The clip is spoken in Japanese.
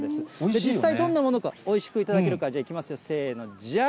実際どんなものなのか、おいしく頂けるか、いきますよ、せーの、じゃん！